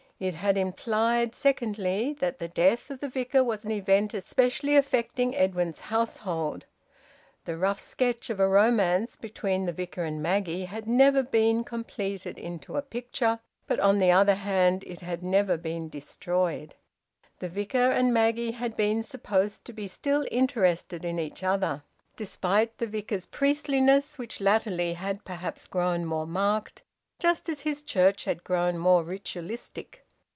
It had implied, secondly, that the death of the Vicar was an event specially affecting Edwin's household. The rough sketch of a romance between the Vicar and Maggie had never been completed into a picture, but on the other hand it had never been destroyed. The Vicar and Maggie had been supposed to be still interested in each other, despite the Vicar's priestliness, which latterly had perhaps grown more marked, just as his church had grown more ritualistic.